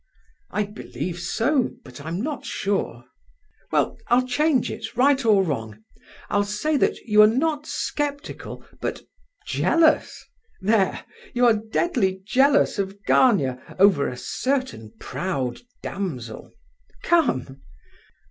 "I believe so; but I'm not sure." "Well, I'll change it, right or wrong; I'll say that you are not sceptical, but jealous. There! you are deadly jealous of Gania, over a certain proud damsel! Come!"